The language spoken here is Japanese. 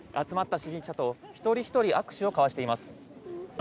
集まった支持者と一人一人握手を交わしています。